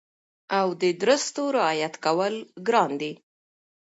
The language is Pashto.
او د درستو رعایت کول ګران دي